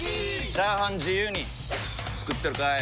チャーハン自由に作ってるかい！？